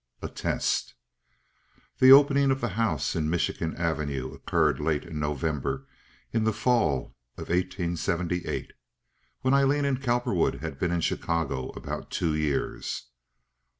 A Test The opening of the house in Michigan Avenue occurred late in November in the fall of eighteen seventy eight. When Aileen and Cowperwood had been in Chicago about two years.